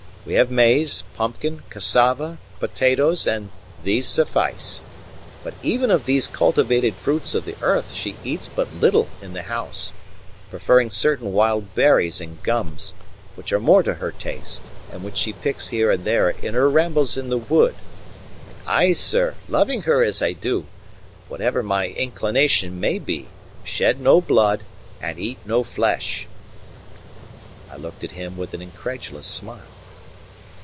We have maize, pumpkin, cassava, potatoes, and these suffice. And even of these cultivated fruits of the earth she eats but little in the house, preferring certain wild berries and gums, which are more to her taste, and which she picks here and there in her rambles in the wood. And I, sir, loving her as I do, whatever my inclination may be, shed no blood and eat no flesh." I looked at him with an incredulous smile.